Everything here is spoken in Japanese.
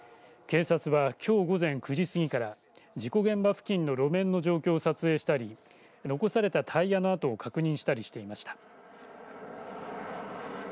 警察は、きょう午前９時過ぎから事故現場付近の路面状況を撮影したり残されたタイヤの跡を確認したりしていました。